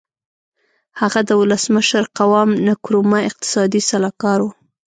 هغه د ولسمشر قوام نکرومه اقتصادي سلاکار و.